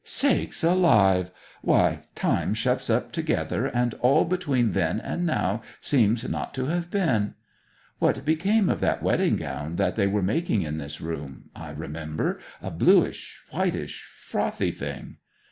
'Sakes alive! Why, time shuts up together, and all between then and now seems not to have been! What became of that wedding gown that they were making in this room, I remember a bluish, whitish, frothy thing?'